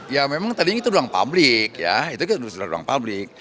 ya memang tadinya itu ruang publik ya itu adalah ruang publik